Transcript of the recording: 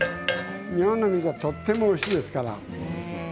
日本の水はとてもおいしいですから。